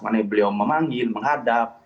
maknanya beliau memanggil menghadap